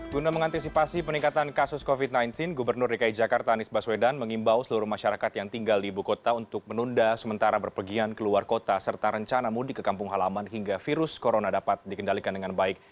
guna mengantisipasi peningkatan kasus covid sembilan belas gubernur dki jakarta anies baswedan mengimbau seluruh masyarakat yang tinggal di ibu kota untuk menunda sementara berpergian keluar kota serta rencana mudik ke kampung halaman hingga virus corona dapat dikendalikan dengan baik